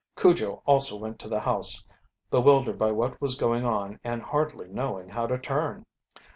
Cujo also went to the house, bewildered by what was going on and hardly knowing how to turn.